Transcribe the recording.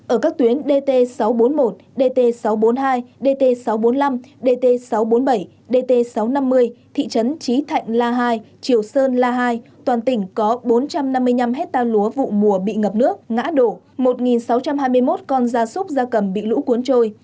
ở các tuyến dt sáu trăm bốn mươi một dt sáu trăm bốn mươi hai dt sáu trăm bốn mươi năm dt sáu trăm bốn mươi bảy dt sáu trăm năm mươi thị trấn trí thạnh la hai triều sơn la hai toàn tỉnh có bốn trăm năm mươi năm hectare lúa vụ mùa bị ngập nước ngã đổ một sáu trăm hai mươi một con da súc da cầm bị lũ cuốn trôi